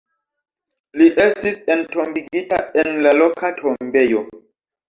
Li estis entombigita en la loka tombejo.